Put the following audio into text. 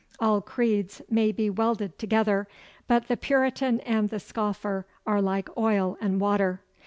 All creeds may be welded together, but the Puritan and the scoffer are like oil and water.